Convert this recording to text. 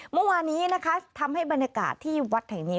เมื่อวานนี้นะคะทำให้บรรยากาศที่วัดแห่งนี้